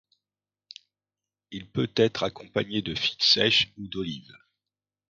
Il peut être accompagné de figues sèches ou d'olives.